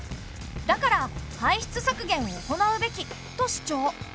だから排出削減を行うべき」と主張。